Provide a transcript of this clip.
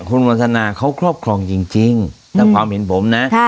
คุณวันทนาเขาครอบครองจริงจริงถ้าความเห็นผมน่ะค่ะ